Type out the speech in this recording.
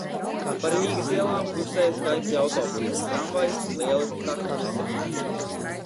Pa Rīgas ielām kursēja skaisti autobusi, tramvaji un lieliski taksometri.